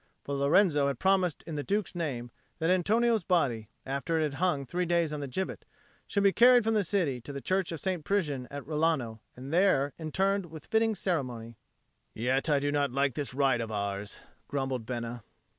For Lorenzo had promised in the Duke's name that Antonio's body, after it had hung three days on the gibbet, should be carried from the city to the church of St. Prisian at Rilano, and there interred with fitting ceremony. "Yet I do not like this ride of ours," grumbled Bena.